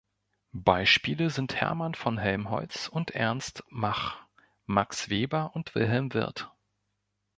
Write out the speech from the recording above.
Beispiele sind Hermann von Helmholtz und Ernst Mach, Max Weber und Wilhelm Wirth.